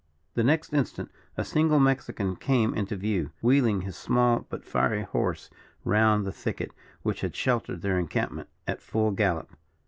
The next instant, a single Mexican came into view, wheeling his small but fiery horse round the thicket, which had sheltered their encampment, at full gallop.